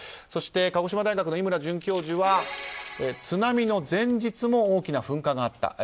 そして鹿児島大学の井村准教授は津波の前日も大きな噴火があった。